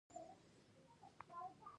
زه د فلم له لارې پیغام اخلم.